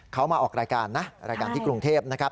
เขามาออกรายการนะรายการที่กรุงเทพนะครับ